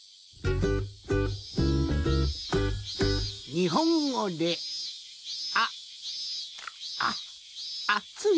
にほんごであああつい。